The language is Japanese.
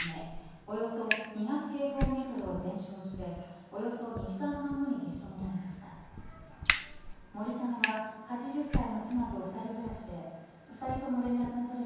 およそ２００平方メートルを全焼しておよそ２時間半後に消し止められました。